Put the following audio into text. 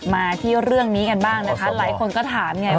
มาที่เรื่องนี้กันบ้างนะคะหลายคนก็ถามไง